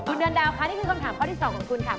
คุณเดือนดาวค่ะนี่คือคำถามข้อที่๒ของคุณค่ะ